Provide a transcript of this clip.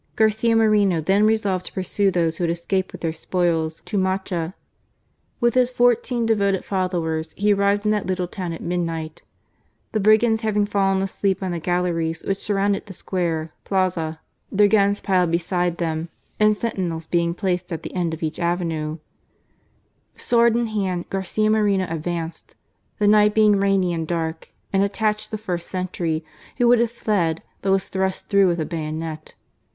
Garcia Moreno then resolved to pursue those who had escaped with their spoils to Mocha. With his fourteen devoted followers he arrived in that little town at midnight, the brigands having fallen asleep on the galleries which surround the Square (plaza), their guns piled beside them, and sentinels being placed at the end of each avenue* Sword in hand Garcia Moreno advanced, the night being rainy and dark, and attacked the first sentry^ who would have fled, but was thrust through with a bayonet.